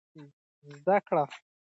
زده کړه ښځه د عاید زیاتوالي لپاره لارې لټوي.